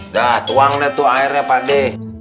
udah tuang deh tuh airnya padeh